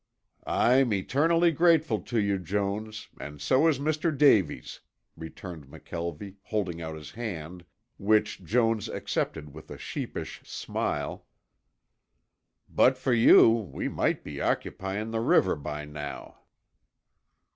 "I'm eternally grateful to you, Jones, and so is Mr. Davies," returned McKelvie, holding out his hand, which Jones accepted with a sheepish smile. "But for you we might be occupying the river by now."